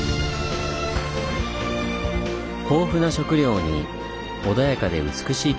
豊富な食料に穏やかで美しい景色。